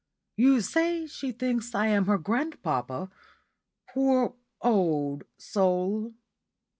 You say she thinks I am her grandpapa! Poor old soul!